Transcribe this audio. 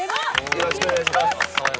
よろしくお願いします。